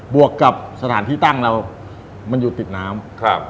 วกกับสถานที่ตั้งเรามันอยู่ติดน้ำ